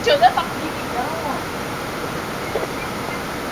该球证于葡萄牙对荷兰的比赛后被世界足协停职。